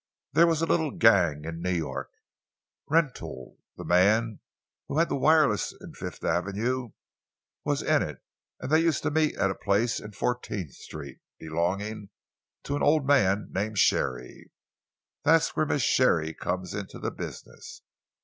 There was a little gang in New York Rentoul, the man who had the wireless in Fifth Avenue, was in it and they used to meet at a place in Fourteenth Street, belonging to an old man named Sharey. That's where Miss Sharey comes into the business.